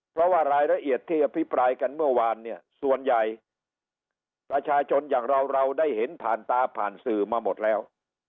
เพราะว่ารายละเอียดที่อภิปรายกันเมื่อวานเนี่ยส่วนใหญ่ประชาชนอย่างเราเราได้เห็นผ่านตาผ่านสื่อมาหมดแล้ว